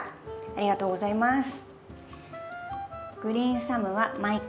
ありがとうございます。